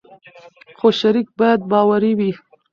خو شریک باید باوري وي.